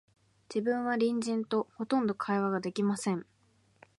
自分は隣人と、ほとんど会話が出来ません